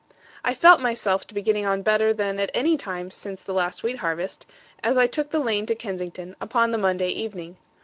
I felt myself to be getting on better than at any time since the last wheat harvest, as I took the lane to Kensington upon the Monday evening.